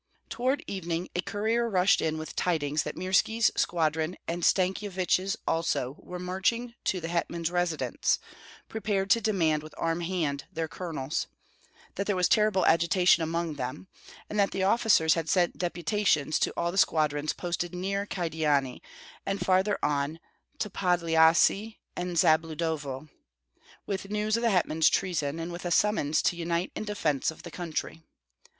Toward evening a courier rushed in with tidings that Mirski's squadron and Stankyevich's also were marching to the hetman's residence, prepared to demand with armed hand their colonels; that there was terrible agitation among them, and that the officers had sent deputations to all the squadrons posted near Kyedani, and farther on to Podlyasye and Zabludovo, with news of the hetman's treason, and with a summons to unite in defence of the country.